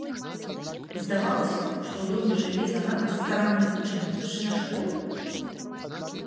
Здавалася, што ў доме жыве занадта старанны вучань музычнае школы.